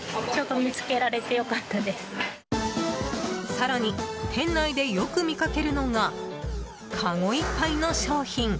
更に、店内でよく見かけるのがかごいっぱいの商品。